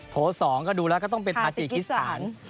โถ๒ก็ดูแล้วก็ต้องเป็นทาจิคิสถาน